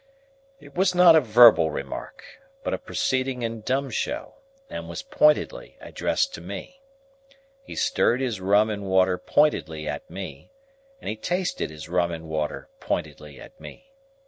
It was not a verbal remark, but a proceeding in dumb show, and was pointedly addressed to me. He stirred his rum and water pointedly at me, and he tasted his rum and water pointedly at me.